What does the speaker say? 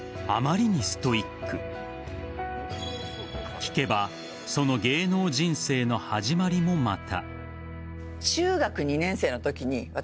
聞けばその芸能人生の始まりもまた。